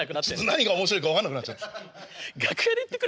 何が面白いか分かんなくなっちゃって。